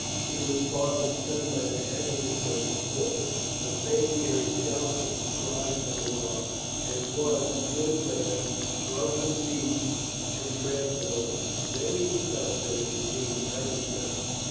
He was partly stunned by the heaviness of his fall, but vaguely heard shouts of surprise and alarm, and was, a minute later, roughly seized and dragged along. Then he felt that he was being tightly bound.